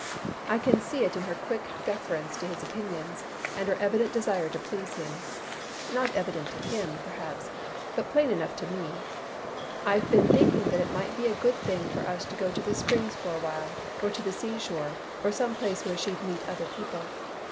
I can see it in her quick deference to his opinions, and her evident desire to please him. Not evident to him, perhaps, but plain enough to me. I've been thinking that it might be a good thing for us to go to the springs for awhile or to the sea shore or some place where she'd meet other people.